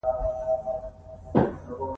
او اوښانو باندي سپور کړی وې، ښځي يعني ميرمنې